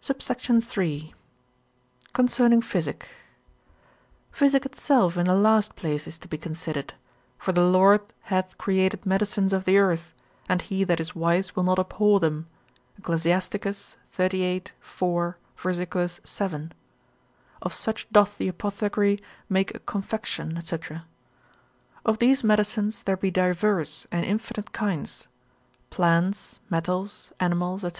SUBSECT. III.—Concerning Physic. Physic itself in the last place is to be considered; for the Lord hath created medicines of the earth, and he that is wise will not abhor them. Ecclus. xxxviii. 4. ver. 8. of such doth the apothecary make a confection, &c. Of these medicines there be diverse and infinite kinds, plants, metals, animals, &c.